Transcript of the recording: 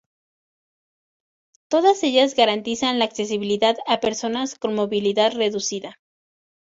Todas ellas garantizan la accesibilidad a personas con movilidad reducida.